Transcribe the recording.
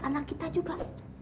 anak kita juga